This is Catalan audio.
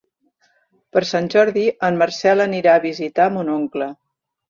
Per Sant Jordi en Marcel anirà a visitar mon oncle.